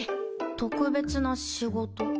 特別な仕事？